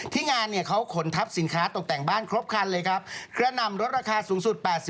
ที่งานเขาขนทับสินค้าตรงแต่งบ้านครบคันเลยครับกระนำรถราคาสูงสุด๘๐